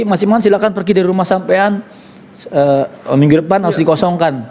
mas iman silakan pergi dari rumah sampean minggu depan harus dikosongkan